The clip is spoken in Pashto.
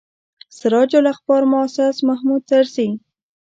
سراج الاخبار موسس محمود طرزي.